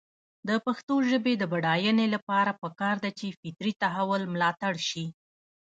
د پښتو ژبې د بډاینې لپاره پکار ده چې فطري تحول ملاتړ شي.